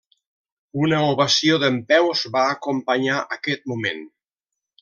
Una ovació dempeus va acompanyar aquest moment.